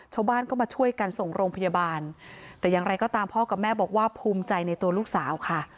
ชาวบ้านก็มาช่วยกันส่งโรงพยาบาลแต่อย่างไรก็ตามพ่อกับแม่บอกว่าภูมิใจในตัวลูกสาวค่ะ